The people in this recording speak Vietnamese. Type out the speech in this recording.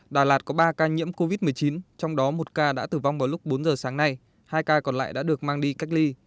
đà lạt có ba ca nhiễm covid một mươi chín trong đó một ca đã tử vong vào lúc bốn giờ sáng nay hai ca còn lại đã được mang đi cách ly